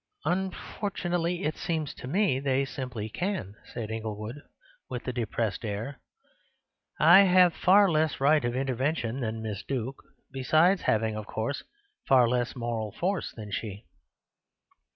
"Unfortunately, it seems to me they simply can," said Inglewood, with a depressed air. "I have far less right of intervention than Miss Duke, besides having, of course, far less moral force than she."